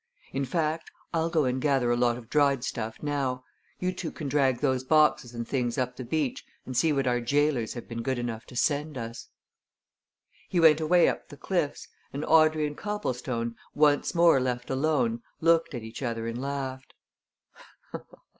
In fact, I'll go and gather a lot of dried stuff now you two can drag those boxes and things up the beach and see what our gaolers have been good enough to send us." He went away up the cliffs, and Audrey and Copplestone, once more left alone, looked at each other and laughed.